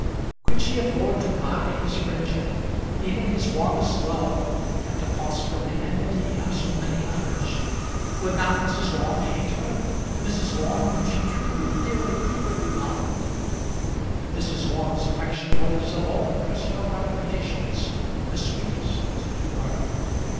Could she afford to buy his friendship, even his warmest love at the cost of the enmity of so many others? Would not Mrs. Orme hate her, Mrs. Orme, whom she truly, dearly, eagerly loved? Mrs. Orme's affection was, of all personal gratifications, the sweetest to her.